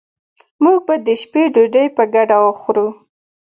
موږ به د شپې ډوډي په ګډه وخورو